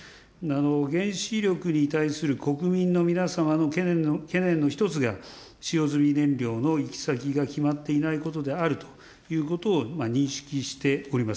原子力に対する国民の皆様の懸念の一つが、使用済み燃料の行き先が決まっていないことであるということを認識しております。